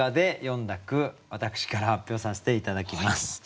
私から発表させて頂きます。